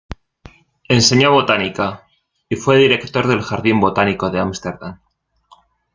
Enseñó botánica, y fue director del Jardín Botánico de Ámsterdam.